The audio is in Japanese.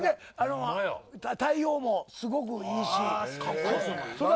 対応もすごくいいし。